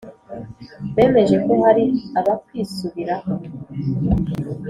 bemeje ko hari abakwisubiraho